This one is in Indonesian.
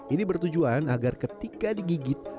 ini bertujuan agar ketika digigit